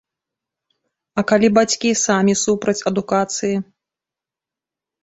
А калі бацькі самі супраць адукацыі?